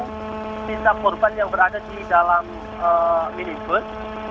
untuk menemukan korban yang berada di dalam mini bus